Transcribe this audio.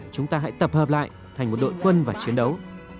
chúng ta hãy tập hợp lại thành một đội quân và chiến đấu